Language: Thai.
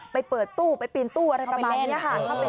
ไปเปิดตู้ไปปีนตู้อะไรประมาณนี้ค่ะ